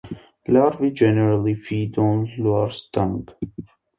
Larvae generally feed on coarse dung.